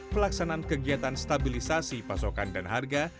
pelaksanaan kegiatan stabilisasi pasokan dan harga